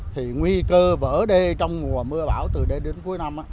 thì nguy cơ vỡ đê trong mùa mưa bão từ đê đến cuối năm